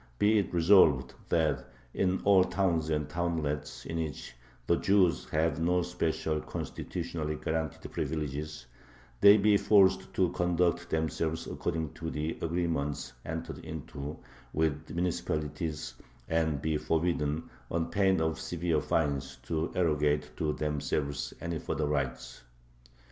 be it resolved that in all towns and townlets in which the Jews have no special, constitutionally guaranteed privileges, they be forced to conduct themselves according to the agreements entered into with the municipalities, and be forbidden, on pain of severe fines, to arrogate to themselves any further rights.